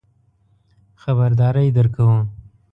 خبرداری درکوو.